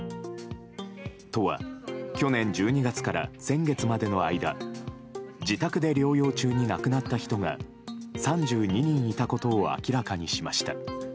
都は去年１２月から先月までの間自宅で療養中に亡くなった人が３２人いたことを明らかにしました。